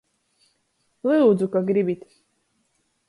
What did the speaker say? Lyudzu, ka gribit!